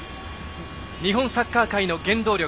日本サッカー界の原動力。